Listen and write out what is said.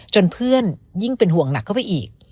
เพื่อนยิ่งเป็นห่วงหนักเข้าไปอีก